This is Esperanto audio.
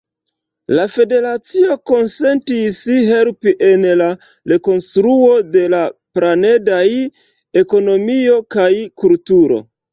La federacio konsentis helpi en la rekonstruo de la planedaj ekonomio kaj kulturo.